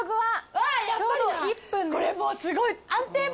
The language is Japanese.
これもうすごい。